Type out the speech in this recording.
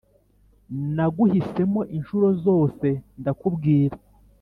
naguhisemo inshuro zose ndakubwira